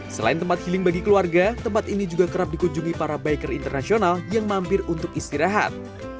selain tempat healing bagi keluarga tempat ini juga kerap dikunjungi para biker internasional yang mampir untuk istirahat